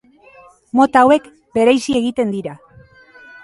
Mota hauek bereizi egiten dira.